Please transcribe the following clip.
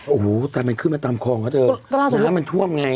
โอ้โหแต่มันขึ้นมาตามคลองเขาเถอะน้ำมันท่วมไง